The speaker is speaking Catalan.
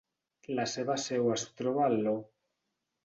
La seva seu es troba a Laon.